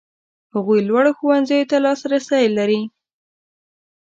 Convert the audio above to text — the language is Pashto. هغوی لوړو ښوونځیو ته لاسرسی لري.